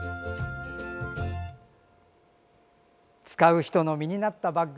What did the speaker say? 使う人の身になったバッグ